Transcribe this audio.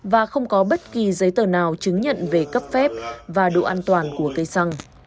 và không có bất kỳ giấy tờ nào chứng nhận về cấp phép và độ an toàn của cây xăng